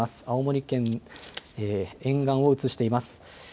青森県沿岸を映しています。